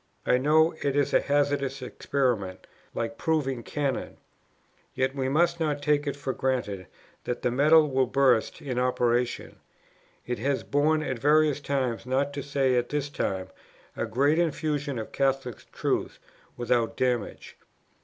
I know it is a hazardous experiment, like proving cannon. Yet we must not take it for granted that the metal will burst in the operation. It has borne at various times, not to say at this time, a great infusion of Catholic truth without damage.